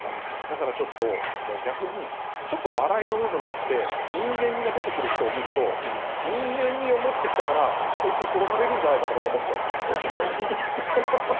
だからちょっと逆にちょっと笑いの部分があって人間味が出てくる人を見ると人間味を持ってきたからこいつ殺されるんじゃないかとかって思っちゃうっていう。